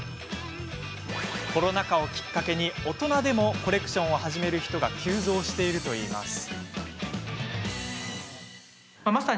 コロナ禍をきっかけに大人でもコレクションを始める人が急増しているといいます。